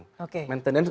maintenance untuk itu